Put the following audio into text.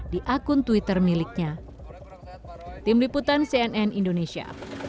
dan twitter miliknya